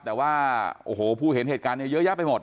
แต่ว่าโอ้โหผู้เห็นเหตุการณ์เนี่ยเยอะแยะไปหมด